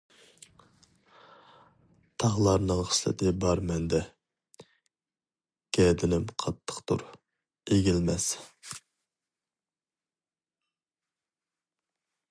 تاغلارنىڭ خىسلىتى بار مەندە، گەدىنىم قاتتىقتۇر، ئېگىلمەس.